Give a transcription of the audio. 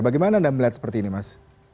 bagaimana anda melihat seperti ini mas